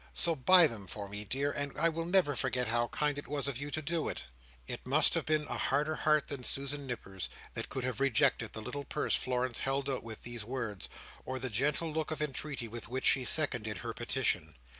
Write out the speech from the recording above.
So buy them for me, dear, and I will never forget how kind it was of you to do it!" It must have been a harder heart than Susan Nipper's that could have rejected the little purse Florence held out with these words, or the gentle look of entreaty with which she seconded her petition.